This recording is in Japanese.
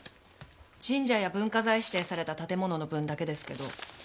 神社や文化財指定された建物の分だけですけど。